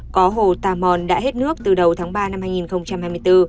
có hồ tà mòn đã hết nước từ đầu tháng ba năm hai nghìn hai mươi bốn